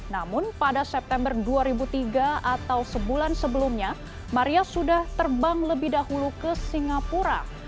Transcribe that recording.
namun pada september dua ribu tiga atau sebulan sebelumnya maria sudah terbang lebih dahulu ke singapura